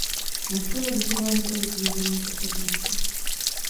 Na škole vychoval několik významných osobností.